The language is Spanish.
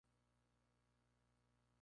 Perteneciente a la cantante Mika Nakashima.